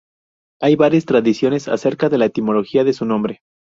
Hay varias tradiciones acerca de la etimología de su nombre.